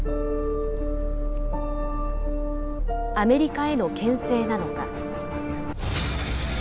アメリカへのけん制なのか。